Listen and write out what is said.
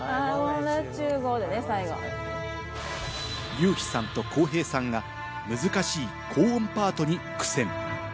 ユウヒさんとコウヘイさんが難しい高音パートに苦戦。